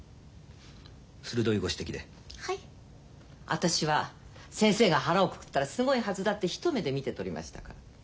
私は先生が腹をくくったらすごいはずだって一目で見て取りましたから。